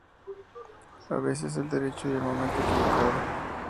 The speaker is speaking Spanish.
A veces el derecho y el momento equivocado.